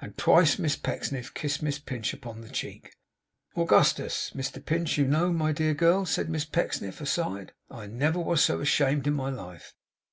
And twice Miss Pecksniff kissed Miss Pinch upon the cheek. 'Augustus Mr Pinch, you know. My dear girl!' said Miss Pecksniff, aside. 'I never was so ashamed in my life.